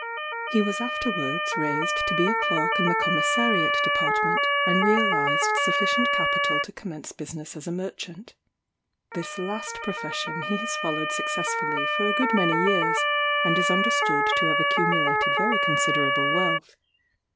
He was afterwards raised to be a clerk in the Commissariat department, and realised sufficient capital to commence business as a merchant. This last profession he has followed successfully for a good many years, and is understood to have accumulated very considerable wealth.